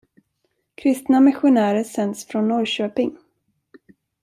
Kristna missionärer sänds från Norrköping.